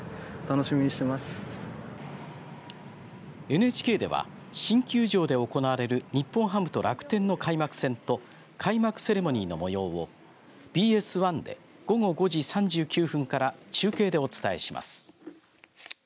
ＮＨＫでは新球場で行われる日本ハムと楽天の開幕戦と開幕セレモニーのもようをＢＳ１で午後５時３９分から中継でお伝えします。